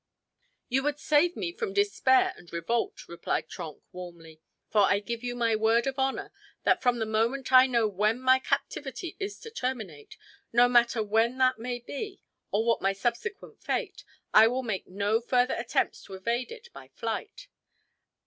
"You would save me from despair and revolt," replied Trenck warmly. "For I give you my word of honor that from the moment I know when my captivity is to terminate no matter when that may be, or what my subsequent fate I will make no further attempts to evade it by flight."